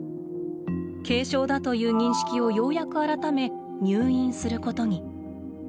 軽症だという認識をようやく改め入院することに。